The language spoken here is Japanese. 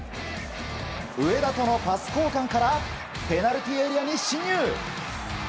上田とのパス交換からペナルティーエリアに進入。